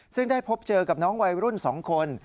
ซึ่งได้พบเจอกับน้องวัยรุ่น๒คน